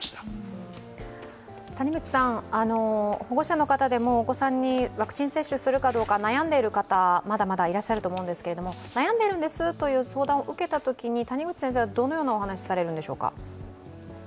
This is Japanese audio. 保護者の方でもお子さんにワクチン接種するかどうか、悩んでいる方、まだまだいらっしゃると思うんですけれども、悩んでいるんですという相談を受けたときに谷口先生はどのようなお話をされるんでしょうか。